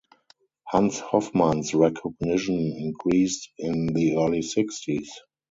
Hans Hofmann's recognition increased in the early sixties.